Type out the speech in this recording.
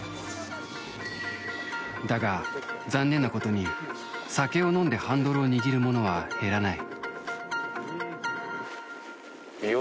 だが残念なことに酒を飲んでハンドルを握る者は減らない。